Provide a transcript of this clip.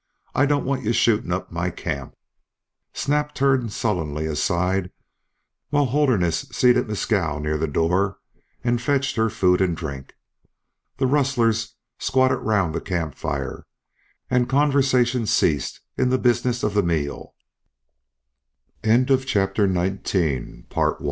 I don't want you shooting up my camp." Snap turned sullenly aside while Holderness seated Mescal near the door and fetched her food and drink. The rustlers squatted round the camp fire, and conversation ceased in the business of the meal. To Hare the scene had brought a storm